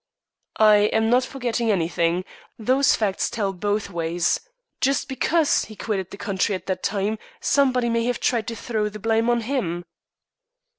"I am not forgetting anything. Those facts tell both ways. Just because he quitted the country at the time somebody may have tried to throw the blame on him."